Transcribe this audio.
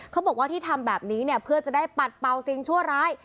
เขาบอกว่าที่ทำแบบนี้เนี่ยเพื่อจะได้ปัดเป่าสิ่งชั่วร้าย